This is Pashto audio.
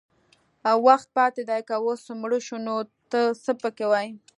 وخت پاتې دی که اوس مړه شو نو ته څه پکې وایې